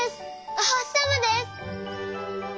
おほしさまです！